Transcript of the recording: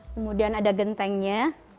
kemudian ada gentengnya